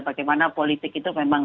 bagaimana politik itu memang